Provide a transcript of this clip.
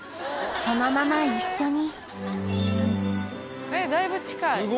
そのまま一緒にだいぶ近い。